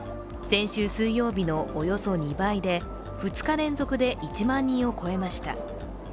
先週水曜日のおよそ２倍で２日連続で１万人を超えました。